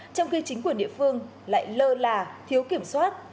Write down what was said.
trong khi chính quyền địa phương lại lơ là thiếu kiểm soát